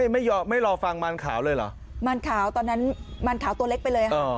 ไม่รอฟังมารขาวเลยเหรอมารขาวตอนนั้นมารขาวตัวเล็กไปเลยค่ะ